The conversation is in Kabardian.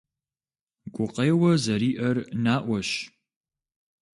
Гукъеуэ зэриӏэр наӏуэщ.